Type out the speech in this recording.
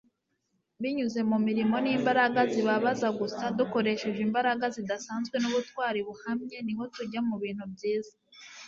binyuze mu mirimo n'imbaraga zibabaza gusa, dukoresheje imbaraga zidasanzwe n'ubutwari buhamye, niho tujya mu bintu byiza